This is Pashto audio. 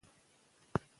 ښوونځي به ملاتړ وکړي.